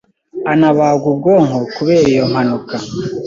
anabagwa ubwonko kubera iyo mpanuka